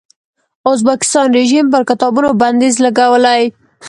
ازبکستان رژیم پر کتابونو بندیز لګولی.